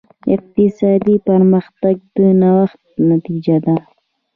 اقتصادي پرمختګ د نوښت نتیجه ده.